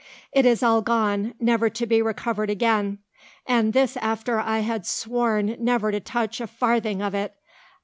It is all gone, never to be recovered again; and this after I had sworn never to touch a farthing of it.